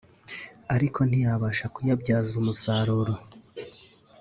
ariko ntiyabasha kuyabyaza umusaruro